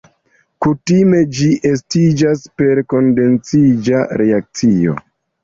Kutime ĝi estiĝas per kondensiĝa reakcio.